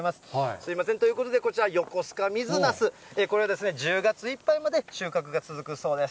すみません、ということで、こちら、よこすか水なす、これは１０月いっぱいまで収穫が続くそうです。